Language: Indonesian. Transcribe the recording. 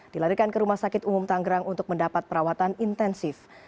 dilarikan ke rumah sakit umum tanggerang untuk mendapat perawatan intensif